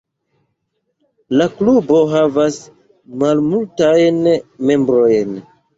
La klubo havas malmultajn membrojn.